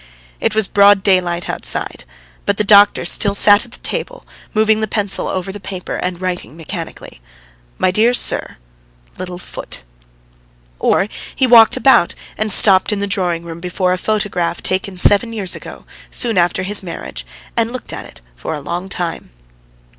It was broad daylight outside, but the doctor still sat at the table moving the pencil over the paper and writing mechanically. "My dear Sir. ... Little foot." Or he walked about and stopped in the drawing room before a photograph taken seven years ago, soon after his marriage, and looked at it for a long time.